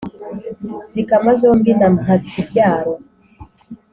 Zikamwa zombi na Mpatsibyaro.